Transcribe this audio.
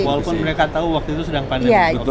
walaupun mereka tahu waktu itu sedang pandemi